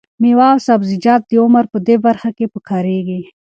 مېوه او سبزیجات د عمر په دې برخه کې پکارېږي.